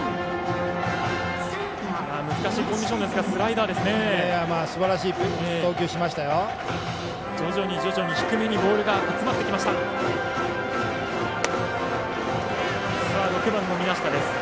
難しいコンディションですがスライダーですね。